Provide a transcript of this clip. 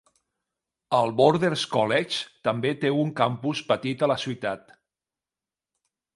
El Borders College també té un campus petit a la ciutat.